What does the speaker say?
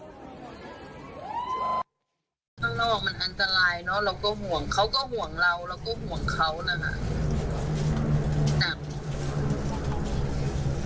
ข้างนอกมันอันตรายเนอะเราก็ห่วงเขาก็ห่วงเราเราก็ห่วงเขานั่นน่ะหนัก